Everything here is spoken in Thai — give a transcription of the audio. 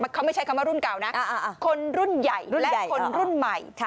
เขาไม่ใช่คำว่ารุ่นเก่านะคนรุ่นใหญ่และคนรุ่นใหม่